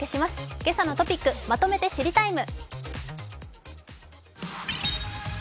「けさのトピックまとめて知りＴＩＭＥ，」